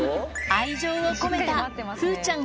愛情を込めた風ちゃん